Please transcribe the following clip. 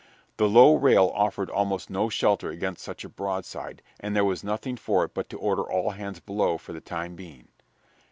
The low rail afforded almost no shelter against such a broadside, and there was nothing for it but to order all hands below for the time being.